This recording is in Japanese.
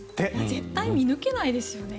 絶対に見抜けないですよね。